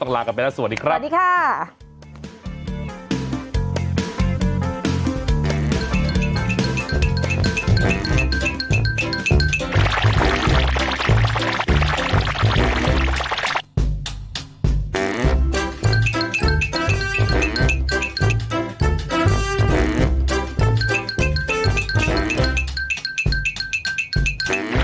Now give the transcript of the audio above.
ต้องลากันไปแล้วสวัสดีครับ